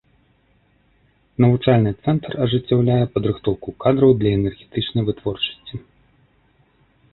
Навучальны цэнтр ажыццяўляе падрыхтоўку кадраў для энергетычнай вытворчасці.